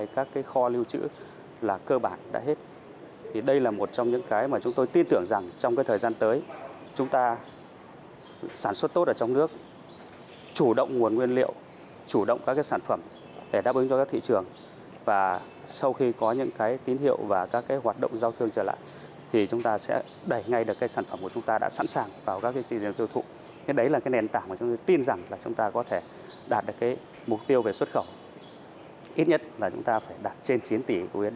chủ động nguồn nguyên liệu ngay sau khi dịch bệnh được kiểm soát